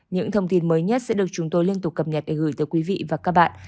những thông tin mới nhất sẽ được chúng tôi liên tục cập nhật để gửi tới quý vị và các bạn